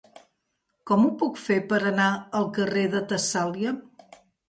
Com ho puc fer per anar al carrer de Tessàlia?